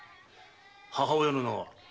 母親の名は？